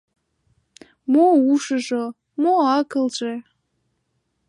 Мо ушыжо, мо акылже? -